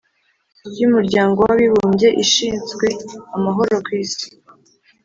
y'umuryango w'abibumbye ishinzwe amahoro ku isi,